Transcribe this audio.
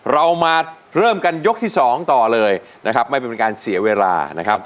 เรามาเริ่มกันยกที่สองต่อเลยนะครับไม่เป็นการเสียเวลานะครับ